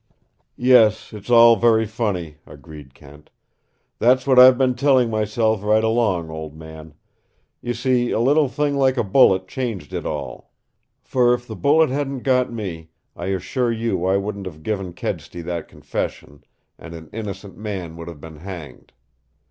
"Yes, it's all very funny," agreed Kent. "That's what I've been telling myself right along, old man. You see, a little thing like a bullet changed it all. For if the bullet hadn't got me, I assure you I wouldn't have given Kedsty that confession, and an innocent man would have been hanged.